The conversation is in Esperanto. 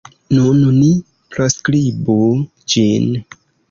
Nun ni proskribu ĝin.